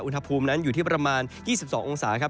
อุณหภูมินั้นอยู่ที่ประมาณ๒๒องศาครับ